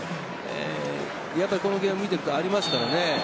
やっぱりこのゲーム見ているとありますからね。